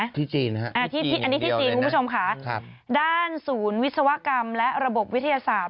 ต่ำสุดในรอบกว่า๑เดือนนะครับอันนี้ที่จีนคุณผู้ชมค่ะด้านศูนย์วิศวกรรมและระบบวิทยาศาสตร์